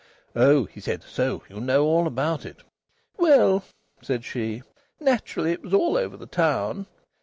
"Oh!" he said. "So you know all about it?" "Well," said she, "naturally it was all over the town.